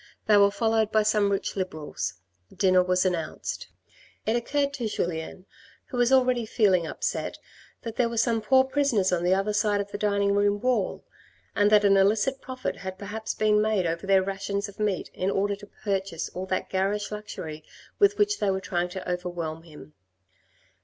They were followed by some rich Liberals. Dinner was announced. It occurred to Julien, who was already feeling upset, that there were some poor prisoners on the other side of the dining room wall, and that an illicit profit had perhaps been made over their rations of meat in order to purchase all that garish luxury with which they were trying to overwhelm him.